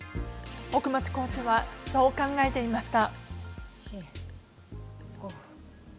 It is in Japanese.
奥松コーチはそう考えていました。